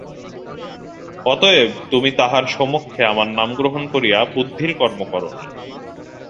অতএব তুমি তাহার সমক্ষে আমার নাম গ্রহণ করিয়া বুদ্ধির কর্ম কর নাই।